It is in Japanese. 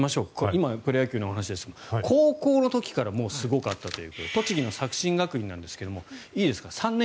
今、プロ野球のお話ですが高校の時からもうすごかったということで栃木の作新学院なんですが３年間です、いいですか？